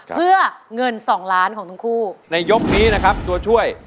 เพื่อเงินสองล้านของทั้งคู่ในยกนี้นะครับตัวช่วย